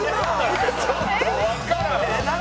ちょっとわからん！